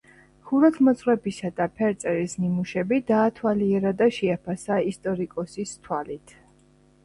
ხუროთმოძღვრებისა და ფერწერის ნიმუშები დაათვალიერა და შეაფასა ისტორიკოსის თვალით.